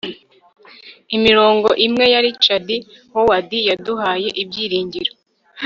imirongo imwe ya richard howard yaduhaye ibyiringiro